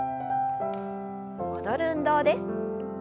戻る運動です。